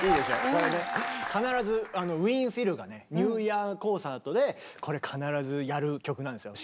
これね必ずウィーン・フィルがねニューイヤーコンサートでこれ必ずやる曲なんですよ。